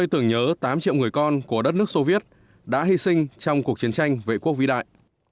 tưởng nhớ tám triệu người con của đất nước soviet đã hy sinh trong cuộc chiến tranh vệ quốc vĩ đại